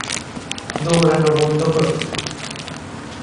দৌঁড়ানো বন্ধ করুন!